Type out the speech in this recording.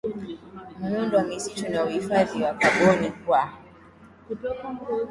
muundo wa misitu na uhifadhi wa kaboni kwa